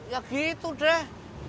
ya gitu deh